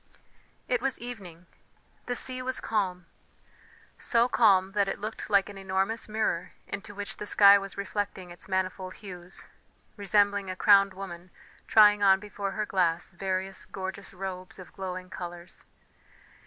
It was evening; the sea was calm so calm that it looked like an enormous mirror into which the sky was reflecting its manifold hues, resembling a crowned woman trying on before her glass various gorgeous robes of glowing colours.